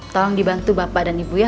tolong dibantu bapak dan ibu ya